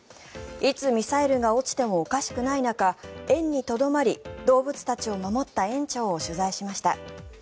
いつミサイルが落ちてもおかしくない中、園にとどまり動物たちを守った園長を取材しました。